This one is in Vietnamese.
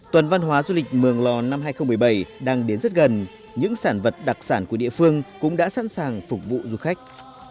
tuần văn hóa du lịch mường lò năm hai nghìn một mươi bảy đang đến rất gần những sản vật đặc sản của địa phương cũng đã sẵn sàng phục vụ du khách